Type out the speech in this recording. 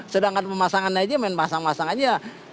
sedangkan pemasangan aja main pasang pasang aja